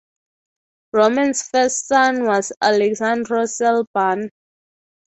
Roman's first son was Alexandru cel Bun.